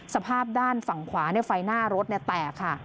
สภาพด้านฝั่งขวาไฟหน้ารถแตกค่ะ